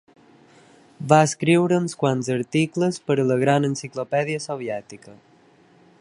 Va escriure uns quants articles per a la Gran Enciclopèdia Soviètica.